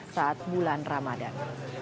saat bulan ramadan